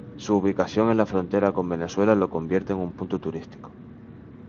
Su ubicación en la frontera con Venezuela lo convierte en un punto turístico.